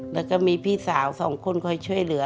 แล้วก็มีพี่สาวสองคนคอยช่วยเหลือ